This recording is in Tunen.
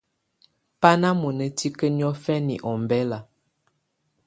Bà nà mɔ̀na tikǝ́ niɔ̀fɛna ɔmbɛla.